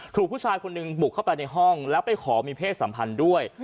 ถูกผู้ชายคนหนึ่งบุกเข้าไปในห้องแล้วไปขอมีเพศสัมพันธ์ด้วย